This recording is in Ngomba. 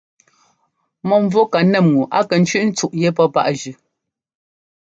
Mɔ́mvú ka nɛ́m ŋu a kɛ tsʉ́ꞌ ńtsúꞌ yɛ́ pɔ́ páꞌ jʉ́.